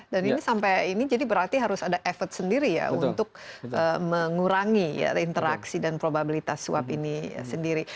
dan ini sampai ini jadi berarti harus ada effort sendiri ya untuk mengurangi interaksi dan probabilitas swab ini sendiri